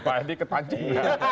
pak hedy ketanjung